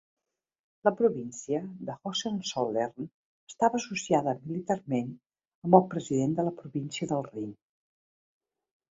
La Província de Hohenzollern estava associada militarment amb el president de la província del Rin.